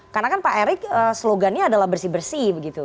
karena kan pak erik slogannya adalah bersih bersih begitu